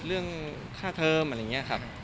เรื่องค่าเทอมอะไรอย่างนี้ครับ